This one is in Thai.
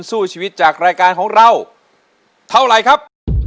สู้ชีวิตจากรายการของเราเท่าไหร่ครับ